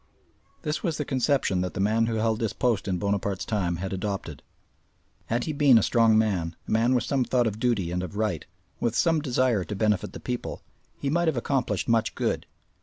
This was the conception that the man who held this post in Bonaparte's time had adopted. Had he been a strong man, a man with some thought of duty and of right, with some desire to benefit the people, he might have accomplished much good.